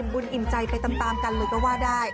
อิ่มใจไปตามกันเลยก็ว่าได้